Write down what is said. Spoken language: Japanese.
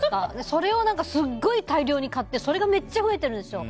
それをすごい大量に買ってそれがめっちゃ増えてるんですよ。